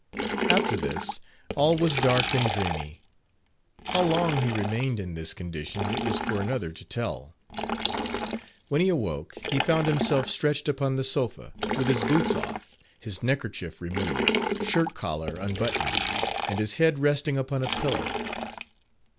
After this, all was dark and dreamy: how long he remained in this condition it was for another to tell. When he awoke, he found himself stretched upon the sofa, with his boots off, his neckerchief removed, shirt collar unbuttoned, and his head resting upon a pillow.